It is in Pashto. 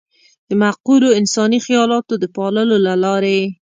د معقولو انساني خيالاتو د پاللو له لارې.